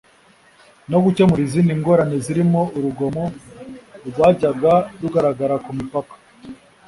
no gukemura izindi ngorane zirimo urugomo rwajyaga rugaragara ku mipaka